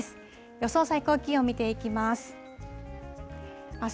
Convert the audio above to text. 予想最高気温、見ていきます。